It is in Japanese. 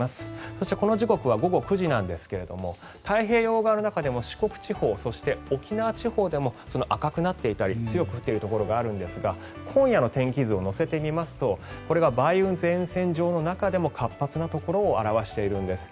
そして、この時刻は午後９時なんですが太平洋側の中でも四国地方そして、沖縄地方でも赤くなっていたり強く降っているところがあるんですが今夜の天気図を乗せてみますとこれが梅雨前線上の中でも活発なところを表しているんです。